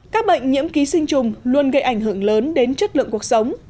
các bệnh nhiễm ký sinh trùng luôn gây ảnh hưởng lớn đến chất lượng cuộc sống